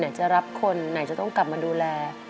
จะรับคนไหนจะต้องกลับมาดูแล